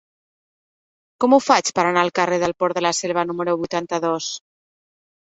Com ho faig per anar al carrer del Port de la Selva número vuitanta-dos?